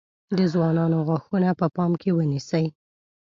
د ځوانانو غاښونه په پام کې ونیسئ.